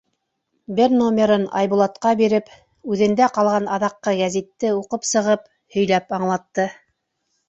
Бер номерын Айбул атҡа биреп, үҙендә ҡалған аҙаҡҡы гәзитте уҡып сығып, һөйләп аңлатты.